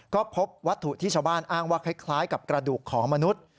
ก็พบวัตถุที่ชาวบ้านอ้างว่าคล้ายกับกระดูกของมนุษย์